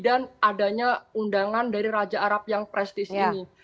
dan adanya undangan dari raja arab yang prestis ini